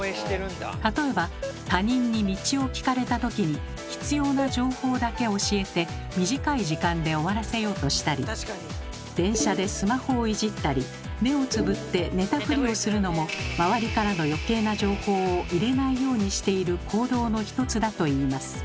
例えば他人に道を聞かれたときに必要な情報だけ教えて短い時間で終わらせようとしたり電車でスマホをいじったり目をつぶって寝たフリをするのも周りからのよけいな情報を入れないようにしている行動の一つだといいます。